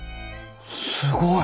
すごい。